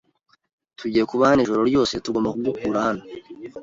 Tugiye kuba hano ijoro ryose. Tugomba kugukura hano.